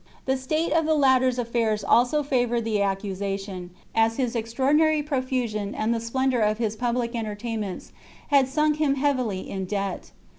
The state of the latter's affairs also favoured the accusa tion, as his extraordinary profusion and the splendour of his public entertainments had sunk him heavily in debt.